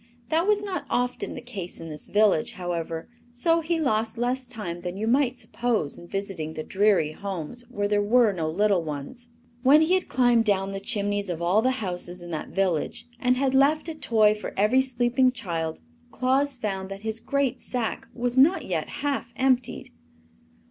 That was not often the case in this village, however, so he lost less time than you might suppose in visiting the dreary homes where there were no little ones. When he had climbed down the chimneys of all the houses in that village, and had left a toy for every sleeping child, Claus found that his great sack was not yet half emptied.